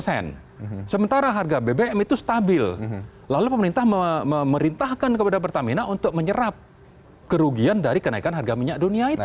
sementara harga bbm itu stabil lalu pemerintah memerintahkan kepada pertamina untuk menyerap kerugian dari kenaikan harga minyak dunia itu